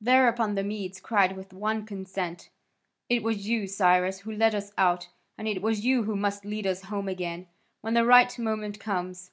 Thereupon the Medes cried with one consent: "It was you, Cyrus, who led us out, and it is you who must lead us home again, when the right moment comes."